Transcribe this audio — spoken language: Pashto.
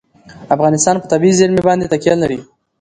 افغانستان په طبیعي زیرمې باندې تکیه لري.